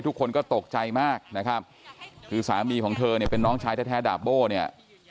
ทุกคนก็ตกใจมากนะครับคือสามีของเธอเนี่ยเป็นน้องชายแท้ดาบโบ้เนี่ย